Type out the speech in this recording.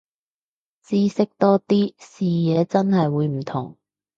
知識多啲，視野真係會唔同